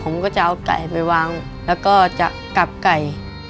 ผมก็จะเอาไก่ไปวางแล้วก็จะกลับไก่